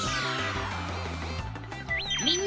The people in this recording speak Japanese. みんな！